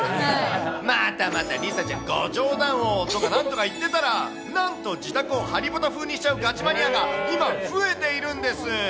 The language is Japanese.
またまた、梨紗ちゃん、ご冗談をとかなんとか言ってたら、なんと自宅をハリポタ風にしちゃうガチマニアが今、増えているんです。